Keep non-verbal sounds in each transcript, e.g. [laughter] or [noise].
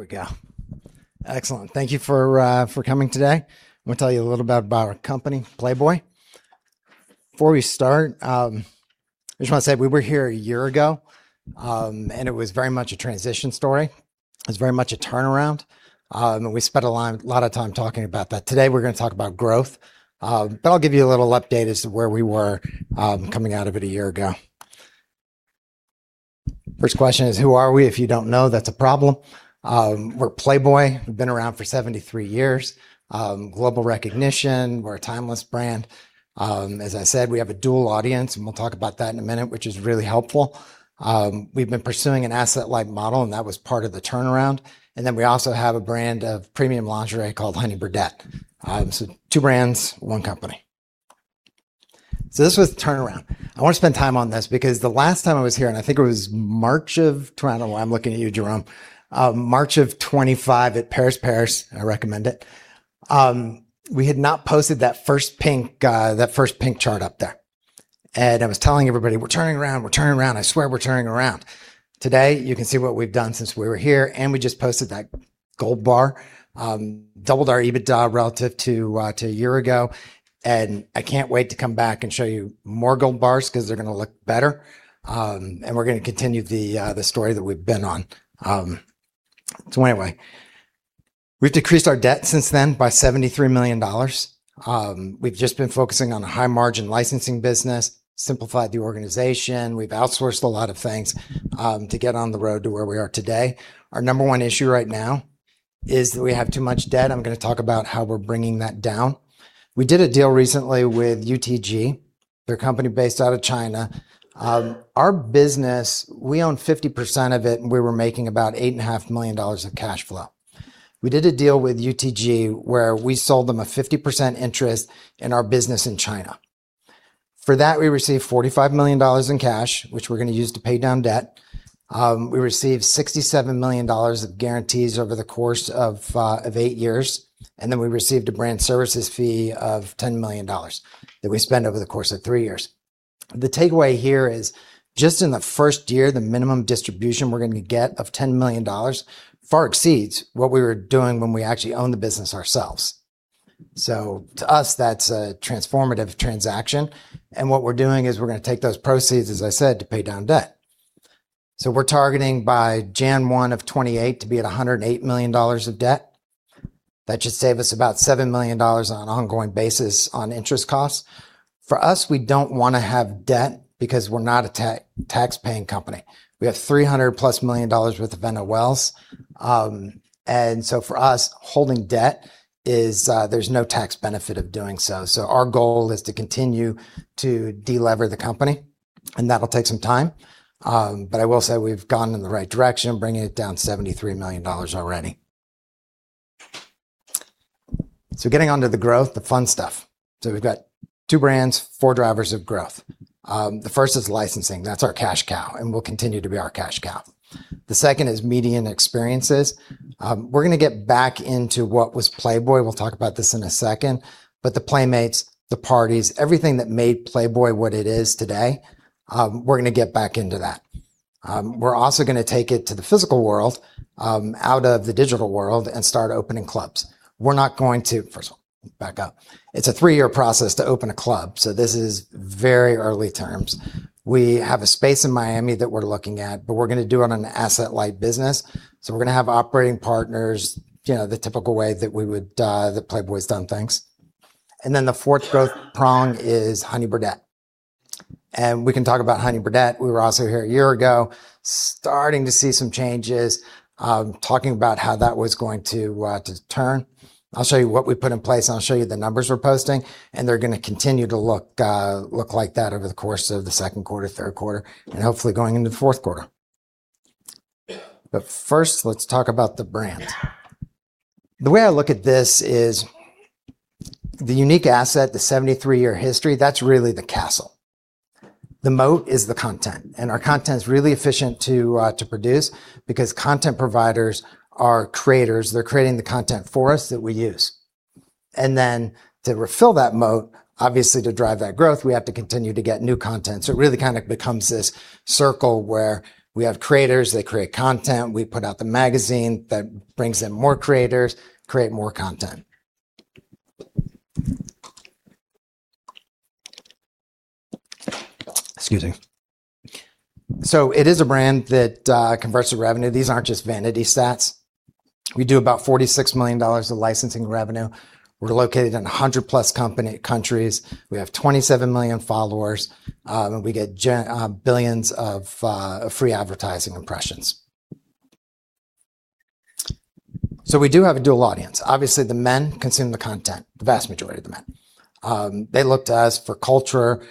There we go. Excellent. Thank you for coming today. I'm going to tell you a little about our company, Playboy. Before we start, I just want to say we were here a year ago. It was very much a transition story. It was very much a turnaround. We spent a lot of time talking about that. Today, we're going to talk about growth. I'll give you a little update as to where we were coming out of it a year ago. First question is, who are we? If you don't know, that's a problem. We're Playboy. We've been around for 73 years. Global recognition. We're a timeless brand. As I said, we have a dual audience, we'll talk about that in a minute, which is really helpful. We've been pursuing an asset-light model, that was part of the turnaround. We also have a brand of premium lingerie called Honey Birdette. Two brands, one company. This was the turnaround. I want to spend time on this because the last time I was here, I think it was March of 2025 at Paris. I recommend it. We had not posted that first pink chart up there. I was telling everybody, "We're turning it around, we're turning it around. I swear we're turning around." Today, you can see what we've done since we were here, we just posted that gold bar. Doubled our EBITDA relative to a year ago, I can't wait to come back and show you more gold bars because they're going to look better. We're going to continue the story that we've been on. We've decreased our debt since then by $73 million. We've just been focusing on the high-margin licensing business, simplified the organization. We've outsourced a lot of things to get on the road to where we are today. Our number one issue right now is that we have too much debt. I'm going to talk about how we're bringing that down. We did a deal recently with UTG. They're a company based out of China. Our business, we own 50% of it, we were making about $8.5 million of cash flow. We did a deal with UTG where we sold them a 50% interest in our business in China. For that, we received $45 million in cash, which we're going to use to pay down debt. We received $67 million of guarantees over the course of eight years, we received a brand services fee of $10 million that we spend over the course of three years. The takeaway here is just in the first year, the minimum distribution we're going to get of $10 million far exceeds what we were doing when we actually owned the business ourselves. To us, that's a transformative transaction. What we're doing is we're going to take those proceeds, as I said, to pay down debt. We're targeting by January 1 of 2028 to be at $108 million of debt. That should save us about $7 million on an ongoing basis on interest costs. For us, we don't want to have debt because we're not a tax-paying company. We have $300+ million worth of NOLs. For us, holding debt is. There's no tax benefit of doing so. Our goal is to continue to delever the company, and that'll take some time. I will say we've gone in the right direction, bringing it down $73 million already. Getting onto the growth, the fun stuff. We've got two brands, four drivers of growth. The first is licensing. That's our cash cow, and will continue to be our cash cow. The second is media and experiences. We're going to get back into what was Playboy. We'll talk about this in a second. The Playmates, the parties, everything that made Playboy what it is today, we're going to get back into that. We're also going to take it to the physical world, out of the digital world, and start opening clubs. We're not going to. First of all, back up. It's a three-year process to open a club, so this is very early terms. We have a space in Miami that we're looking at, we're going to do it on an asset-light business. We're going to have operating partners, the typical way that Playboy's done things. The fourth growth prong is Honey Birdette. We can talk about Honey Birdette. We were also here a year ago, starting to see some changes, talking about how that was going to turn. I'll show you what we put in place, and I'll show you the numbers we're posting, and they're going to continue to look like that over the course of the second quarter, third quarter, and hopefully going into the fourth quarter. First, let's talk about the brand. The way I look at this is the unique asset, the 73-year history, that's really the castle. The moat is the content, our content's really efficient to produce because content providers are creators. They're creating the content for us that we use. To refill that moat, obviously to drive that growth, we have to continue to get new content. It really kind of becomes this circle where we have creators, they create content, we put out the magazine. That brings in more creators, create more content. Excuse me. It is a brand that converts to revenue. These aren't just vanity stats. We do about $46 million of licensing revenue. We're located in 100+ countries. We have 27 million followers. We get billions of free advertising impressions. We do have a dual audience. Obviously, the men consume the content, the vast majority of the men. They look to us for culture,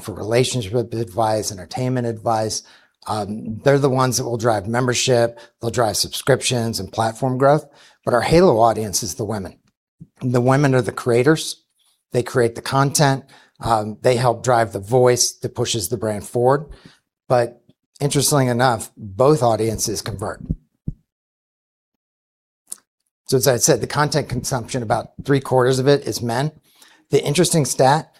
for relationship advice, entertainment advice. They're the ones that will drive membership. They'll drive subscriptions and platform growth. Our halo audience is the women. The women are the creators. They create the content. They help drive the voice that pushes the brand forward. Interestingly enough, both audiences convert. As I said, the content consumption, about three quarters of it is men. The interesting stat,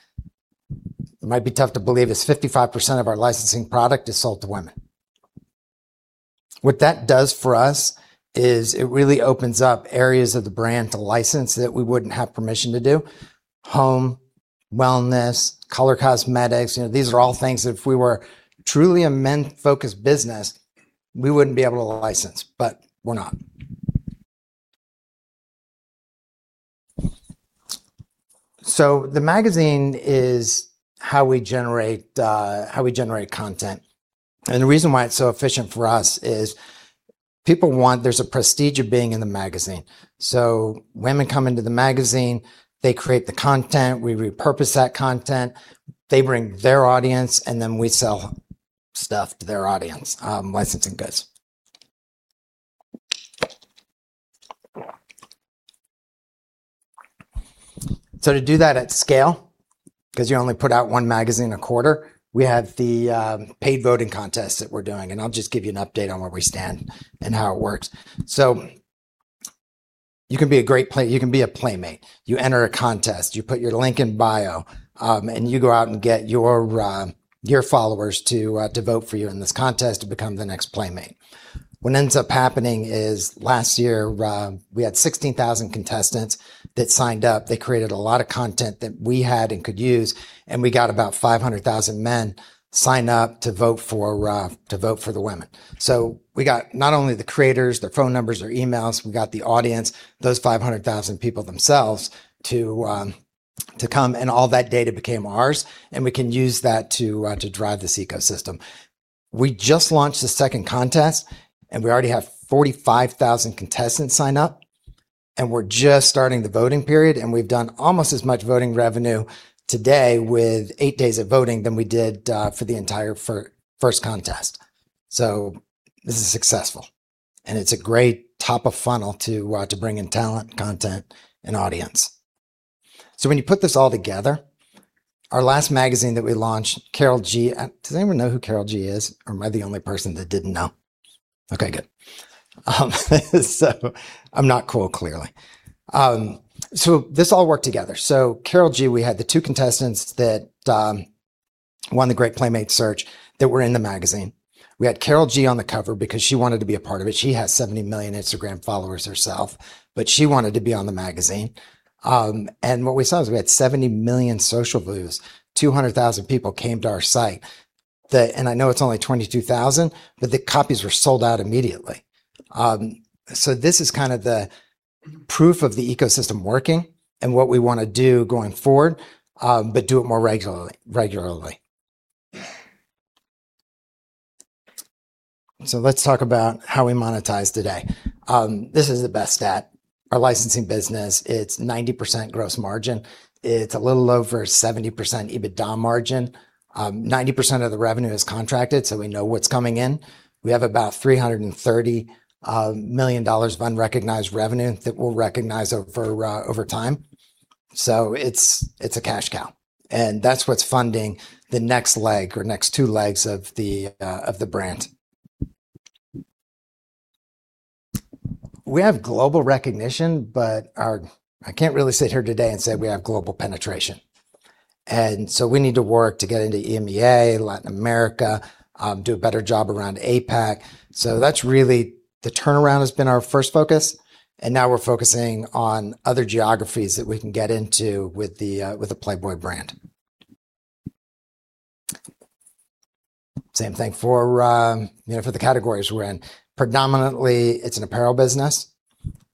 it might be tough to believe, is 55% of our licensing product is sold to women. What that does for us is it really opens up areas of the brand to license that we wouldn't have permission to do. Home, wellness, Color cosmetics, these are all things that if we were truly a men-focused business, we wouldn't be able to license, we're not. The magazine is how we generate content. The reason why it's so efficient for us is there's a prestige of being in the magazine. Women come into the magazine, they create the content, we repurpose that content, they bring their audience, then we sell stuff to their audience, licensing goods. To do that at scale, because you only put out one magazine a quarter, we have the paid voting contest that we're doing. I'll just give you an update on where we stand and how it works. You can be a Playmate. You enter a contest, you put your link in bio, and you go out and get your followers to vote for you in this contest to become the next Playmate. What ends up happening is last year, we had 16,000 contestants that signed up. They created a lot of content that we had and could use, we got about 500,000 men sign up to vote for the women. We got not only the creators, their phone numbers, their emails, we got the audience, those 500,000 people themselves to come, all that data became ours, we can use that to drive this ecosystem. We just launched the second contest, we already have 45,000 contestants sign up, we're just starting the voting period, we've done almost as much voting revenue today with eight days of voting than we did for the entire first contest. This is successful, it's a great top of funnel to bring in talent, content, and audience. When you put this all together, our last magazine that we launched, Karol G. Does anyone know who Karol G is, or am I the only person that didn't know? Okay, good. I'm not cool, clearly. This all worked together. Karol G, we had the two contestants that one of The Great Playmate Search that were in the magazine. We had Karol G on the cover because she wanted to be a part of it. She has 70 million instagram followers herself, she wanted to be on the magazine. What we saw is we had 70 million social views, 200,000 people came to our site. I know it's only 22,000, the copies were sold out immediately. This is the proof of the ecosystem working and what we want to do going forward, do it more regularly. Let's talk about how we monetize today. This is the best stat. Our licensing business, it's 90% gross margin. It's a little over 70% EBITDA margin. 90% of the revenue is contracted, we know what's coming in. We have about $330 million of unrecognized revenue that we'll recognize over time. It's a cash cow, that's what's funding the next leg or next two legs of the brand. We have global recognition, I can't really sit here today and say we have global penetration. We need to work to get into EMEA, Latin America, do a better job around APAC. That's really the turnaround has been our first focus, now we're focusing on other geographies that we can get into with the Playboy brand. Same thing for the categories we're in. Predominantly, it's an apparel business.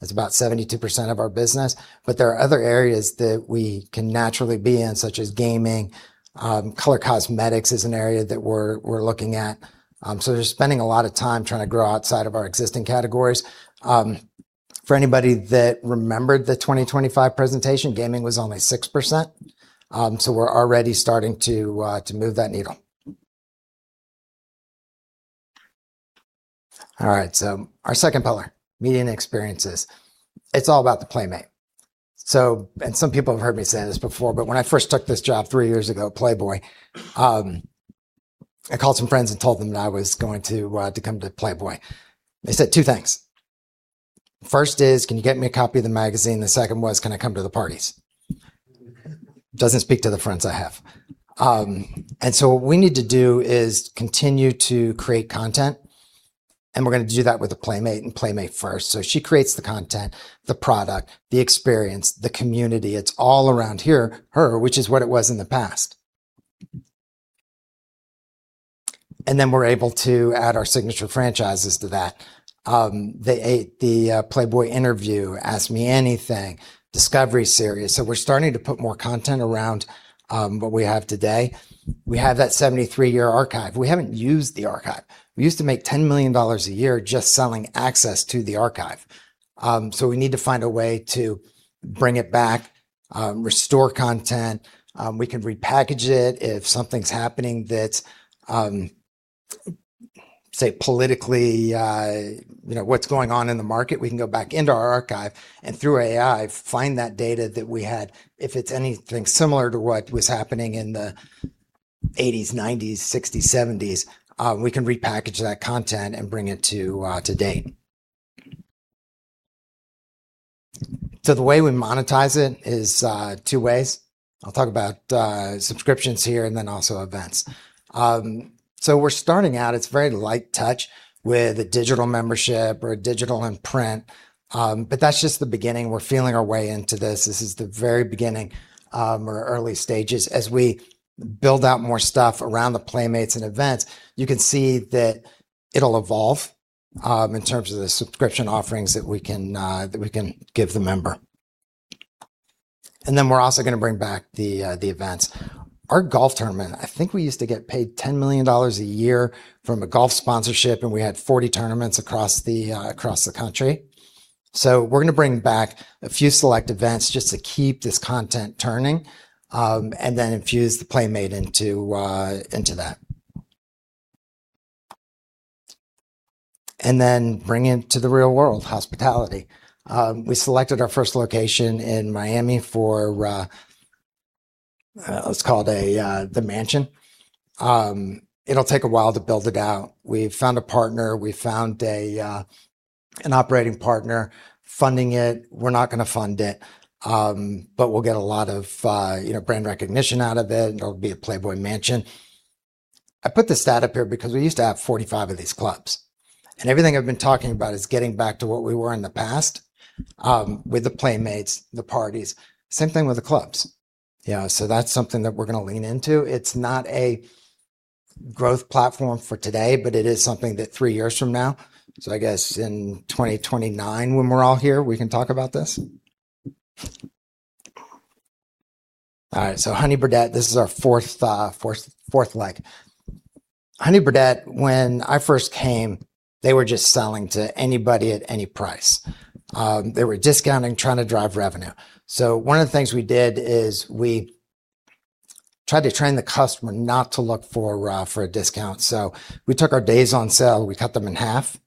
It's about 72% of our business, there are other areas that we can naturally be in, such as Gaming. Color cosmetics is an area that we're looking at. Just spending a lot of time trying to grow outside of our existing categories. For anybody that remembered the 2025 presentation, Gaming was only 6%. We're already starting to move that needle. Our second pillar, media and experiences. It is all about the Playmate. Some people have heard me say this before, but when I first took this job three years ago at Playboy, I called some friends and told them that I was going to come to Playboy. They said two things. First is, "Can you get me a copy of the magazine?" The second was, "Can I come to the parties?" Does not speak to the friends I have. What we need to do is continue to create content, and we're going to do that with a Playmate in Playmate First. She creates the content, the product, the experience, the community. It is all around her, which is what it was in the past. We're able to add our signature franchises to that. The Playboy Interview, Ask Me Anything, Discovery Series. We're starting to put more content around what we have today. We have that 73-year archive. We have not used the archive. We used to make $10 million a year just selling access to the archive. We need to find a way to bring it back, restore content. We can repackage it if something is happening that is, say, politically, what is going on in the market. We can go back into our archive and through AI, find that data that we had. If it is anything similar to what was happening in the 1980s, 1990s, 1960s, 1970s, we can repackage that content and bring it to date. The way we monetize it is two ways. I will talk about subscriptions here and also events. We're starting out, it is very light touch with a digital membership or a digital and print. That is just the beginning. We're feeling our way into this. This is the very beginning or early stages. As we build out more stuff around the Playmates and events, you can see that it will evolve in terms of the subscription offerings that we can give the member. We're also going to bring back the events. Our golf tournament, I think we used to get paid $10 million a year from a golf sponsorship, and we had 40 tournaments across the country. We're going to bring back a few select events just to keep this content turning, and then infuse the Playmate into that. Bring it to the real world, hospitality. We selected our first location in Miami for, let us call it the mansion. It will take a while to build it out. We have found a partner. We found an operating partner. Funding it, we're not going to fund it, but we will get a lot of brand recognition out of it, and it will be a Playboy mansion. I put this stat up here because we used to have 45 of these clubs, and everything I have been talking about is getting back to what we were in the past with the Playmates, the parties. Same thing with the clubs. That is something that we're going to lean into. It is not a growth platform for today, but it is something that three years from now, so I guess in 2029 when we're all here, we can talk about this. All right, Honey Birdette, this is our fourth leg. Honey Birdette, when I first came, they were just selling to anybody at any price. They were discounting, trying to drive revenue. One of the things we did is we tried to train the customer not to look for a discount. We took our days on sale, we cut them in half,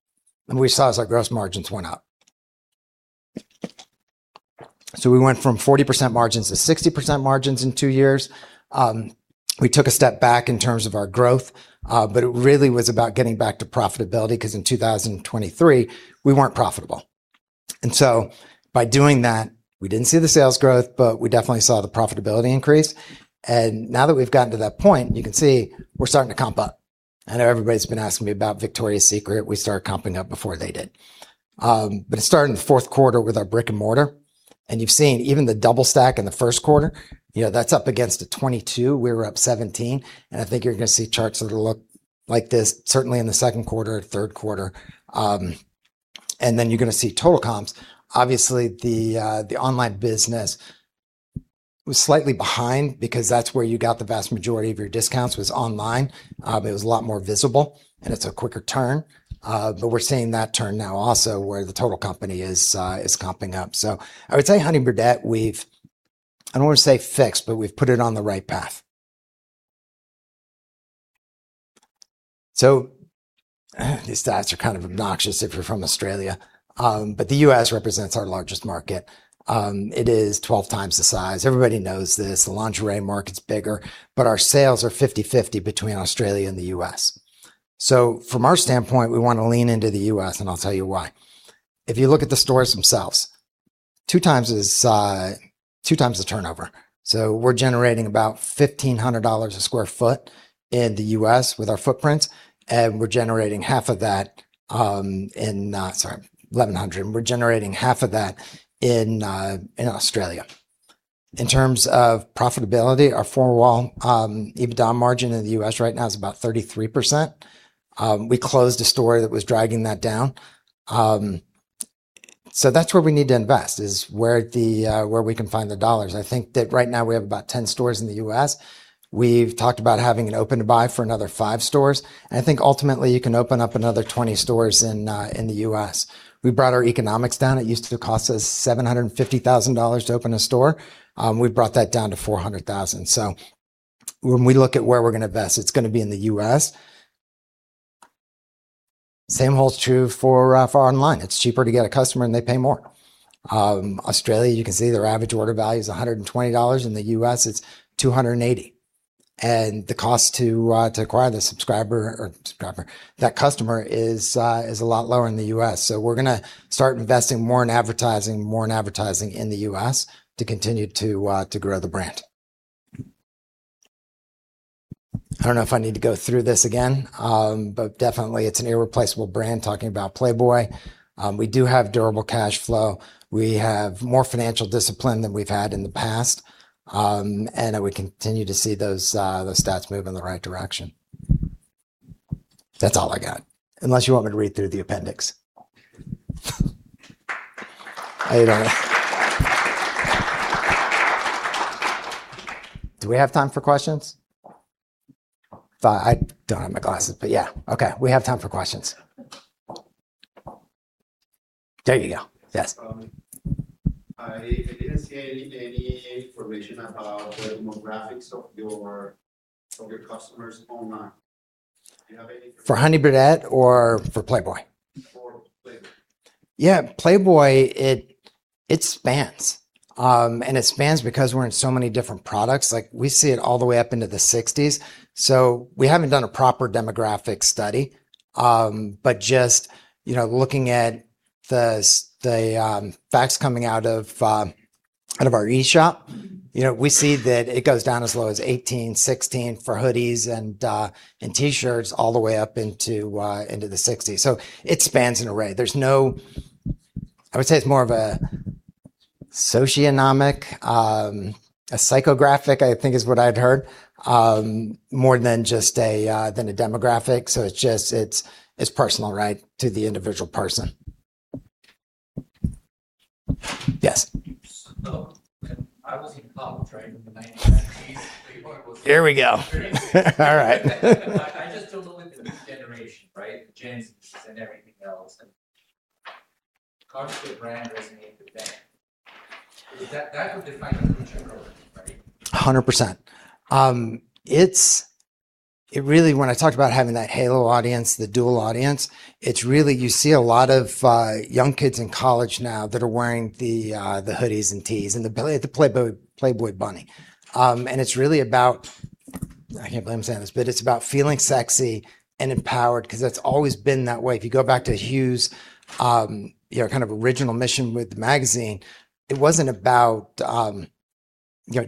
and we saw as our gross margins went up. We went from 40% margins to 60% margins in two years. We took a step back in terms of our growth, but it really was about getting back to profitability, because in 2023, we weren't profitable. By doing that, we didn't see the sales growth, but we definitely saw the profitability increase. Now that we've gotten to that point, you can see we're starting to comp up. I know everybody's been asking me about Victoria's Secret. We started comping up before they did. It started in the fourth quarter with our brick and mortar, and you've seen even the double stack in the first quarter, that's up against a 2022. We were up 2017, and I think you're going to see charts that'll look like this certainly in the second quarter, third quarter. Then you're going to see total comps. Obviously, the online business was slightly behind because that's where you got the vast majority of your discounts was online. It was a lot more visible and it's a quicker turn. We're seeing that turn now also where the total company is comping up. I would say Honey Birdette, I don't want to say fixed, but we've put it on the right path. These stats are kind of obnoxious if you're from Australia, but the U.S. represents our largest market. It is 12x the size. Everybody knows this. The lingerie market's bigger, but our sales are 50/50 between Australia and the U.S. From our standpoint, we want to lean into the U.S. and I'll tell you why. If you look at the stores themselves, two times the turnover. We're generating about $1,500 a sq ft in the U.S. with our footprint, and we're generating $1,100. We're generating half of that in Australia. In terms of profitability, our four wall EBITDA margin in the U.S. right now is about 33%. We closed a store that was dragging that down. That's where we need to invest, is where we can find the dollars. I think that right now we have about 10 stores in the U.S. We've talked about having an open to buy for another five stores, and I think ultimately you can open up another 20 stores in the U.S. We brought our economics down. It used to cost us $750,000 to open a store. We've brought that down to $400,000. When we look at where we're going to invest, it's going to be in the U.S. Same holds true for online. It's cheaper to get a customer and they pay more. Australia, you can see their average order value is $120. In the U.S., it's $280. The cost to acquire that customer is a lot lower in the U.S. We're going to start investing more in advertising, more in advertising in the U.S. to continue to grow the brand. I don't know if I need to go through this again, but definitely it's an irreplaceable brand, talking about Playboy. We do have durable cash flow. We have more financial discipline than we've had in the past, and we continue to see those stats move in the right direction. That's all I got. Unless you want me to read through the appendix. How you doing? Do we have time for questions? I don't have my glasses, but yeah. Okay. We have time for questions. There you go. Yes. I didn't see any information about the demographics of your customers online. Do you have any? For Honey Birdette or for Playboy? For Playboy. Playboy, it spans. It spans because we're in so many different products. We see it all the way up into the 60s. We haven't done a proper demographic study. Just looking at the facts coming out of our e-shop, we see that it goes down as low as 18, 16 for hoodies and T-shirts all the way up into the 60s. It spans an array. I would say it's more of a socionomic, a psychographic, I think is what I'd heard, more than just a demographic. It's personal to the individual person. Yes. I was in college right in the 1990s. Playboy was. Here we go. All right. I just deal with the new generation, Gen Zs and everything else, how does the brand resonate with them? That would define the future growth, right? 100%. When I talked about having that halo audience, the dual audience, you see a lot of young kids in college now that are wearing the hoodies and tees and the Playboy bunny. It's really about, I can't believe I'm saying this, but it's about feeling sexy and empowered because that's always been that way. If you go back to Hugh's original mission with the magazine, it wasn't about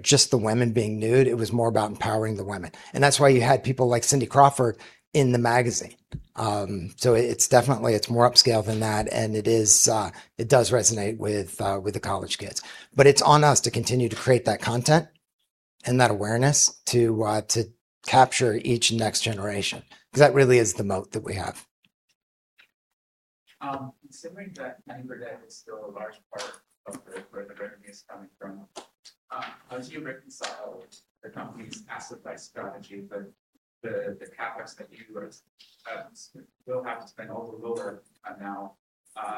just the women being nude. It was more about empowering the women. That's why you had people like Cindy Crawford in the magazine. It's definitely more upscale than that, and it does resonate with the college kids. It's on us to continue to create that content and that awareness to capture each next generation, because that really is the moat that we have. Considering that Honey Birdette is still a large part of where the revenue is coming from, how do you reconcile the company's asset buy strategy with the CapEx that you still have to spend all over now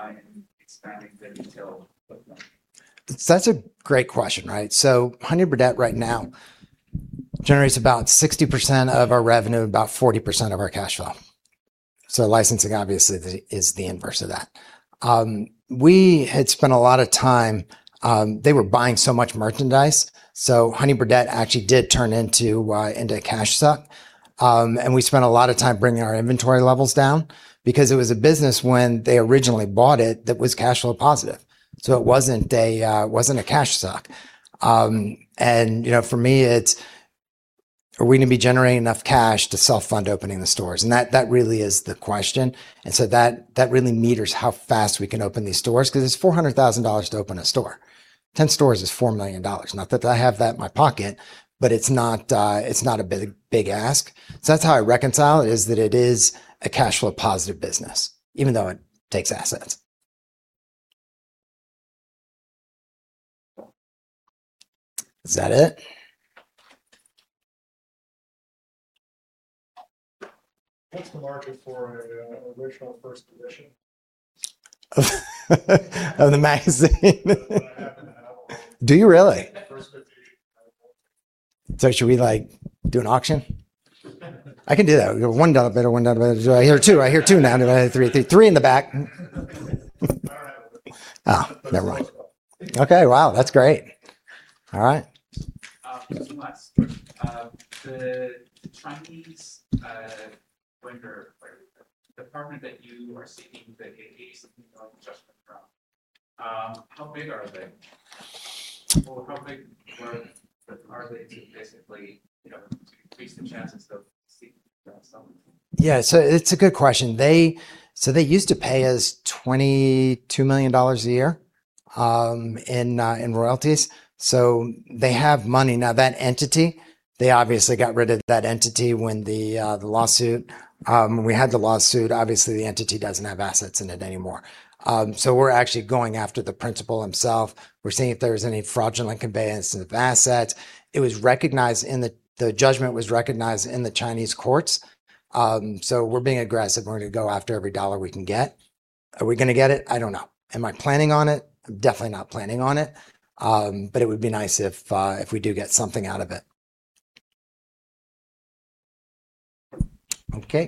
in expanding the retail footprint? That's a great question. Honey Birdette right now generates about 60% of our revenue, about 40% of our cash flow. Licensing obviously is the inverse of that. We had spent a lot of time. They were buying so much merchandise, Honey Birdette actually did turn into a cash suck. We spent a lot of time bringing our inventory levels down because it was a business when they originally bought it that was cash flow positive. It wasn't a cash suck. For me, it's are we going to be generating enough cash to self-fund opening the stores? That really is the question. That really meters how fast we can open these stores because it's $400,000 to open a store. 10 stores is $4 million. Not that I have that in my pocket, but it's not a big ask. That's how I reconcile it, is that it is a cash flow positive business even though it takes assets. Is that it? What's the market for an original first edition? Of the magazine? I happen to have one. Do you really? First edition. Should we do an auction? I can do that. We go $1, better $1. Do I hear $2? I hear $2 now. Do I hear $3? $3 in the back. All right. Never mind. Okay. Wow, that's great. All right. Just one last. The Chinese lender or the department that you are seeking the [inaudible] from, how big are they? Or how big were they to basically increase the chances of seeing. Yeah. It's a good question. They used to pay us $22 million a year in royalties. They have money. Now, that entity, they obviously got rid of that entity when we had the lawsuit. Obviously, the entity doesn't have assets in it anymore. We're actually going after the principal himself. We're seeing if there's any fraudulent conveyance of assets. The judgment was recognized in the Chinese courts. We're being aggressive. We're going to go after every dollar we can get. Are we going to get it? I don't know. Am I planning on it? I'm definitely not planning on it, but it would be nice if we do get something out of it. Okay.